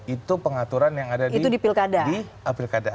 itu pengaturan yang ada di pilkada